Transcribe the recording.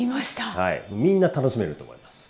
はいみんな楽しめると思います。